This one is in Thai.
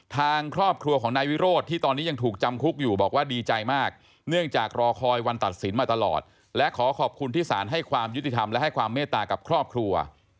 ทางครอบครัวของนายวิโรธที่ตอนนี้ยังถูกจำคุกอยู่บอกว่าดีใจมากเนื่องจากรอคอยวันตัดสินมาตลอดและขอขอบคุณที่สารให้ความยุติธรรมและให้ความเมตตากับครอบครัว